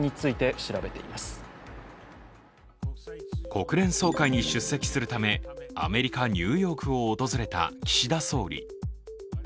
国連総会に出席するためアメリカ・ニューヨークを訪れた岸田総理